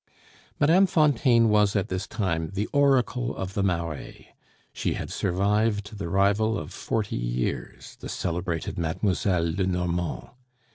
Mme. Fontaine was at this time the oracle of the Marais; she had survived the rival of forty years, the celebrated Mlle. Lenormand.